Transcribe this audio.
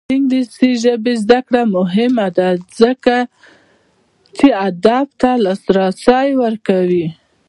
د انګلیسي ژبې زده کړه مهمه ده ځکه چې ادب ته لاسرسی ورکوي.